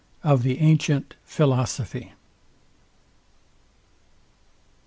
OF THE ANTIENT PHILOSOPHY.